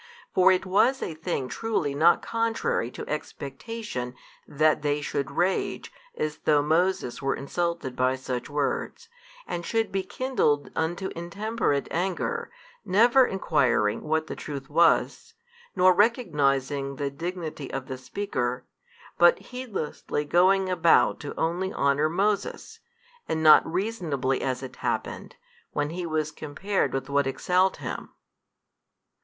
For it was a thing truly not contrary to expectation, that they should rage, as though Moses were insulted by such words, and should be kindled unto intemperate anger, never enquiring what the truth was, nor recognizing the dignity of the Speaker, but heedlessly going about to only honour Moses, and not reasonably as it happened, when he was compared with what excelled him.